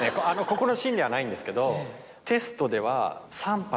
ここのシーンではないんですけど。